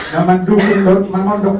naman dukun dokun mangondok